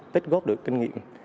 tích gốc được kinh nghiệm